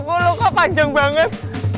kok lo luka panjang banget